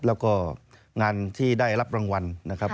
แล้วก็งานที่ได้รับรางวัลนะครับ